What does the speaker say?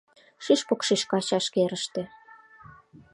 Шӱшпык шӱшка чашкерыште.